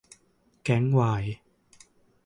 แก๊งวาย